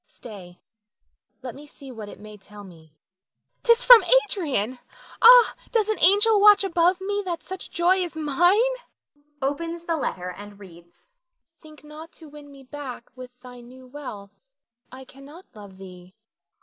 Stay, let me see what it may tell me. 'Tis from Adrian. Ah, does an angel watch above me that such joy is mine? [Opens the letter and reads.] Think not to win me back with thy new wealth; I cannot love thee.